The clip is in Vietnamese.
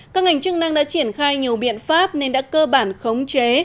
các ngành chức năng đã triển khai nhiều biện pháp nên đã cơ bản khống chế